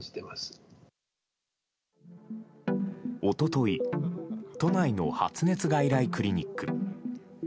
一昨日都内の発熱外来クリニック。